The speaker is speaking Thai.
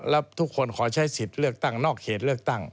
แล้วทุกคนขอใช้สิทธิ์เลือกตั้งนอกเขตเลือกตั้ง